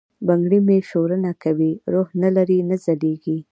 بنګړي مي شورنه کوي، روح نه لری، نه ځلیږي